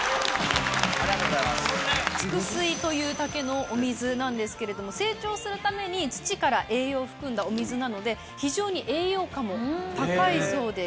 竹水という竹のお水なんですけれども成長するために土から栄養を含んだお水なので非常に栄養価も高いそうです。